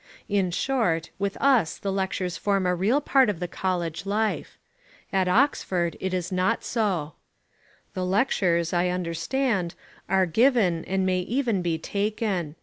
In short, with us the lectures form a real part of the college life. At Oxford it is not so. The lectures, I understand, are given and may even be taken.